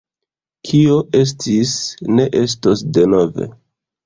Kio estis ne estos denove.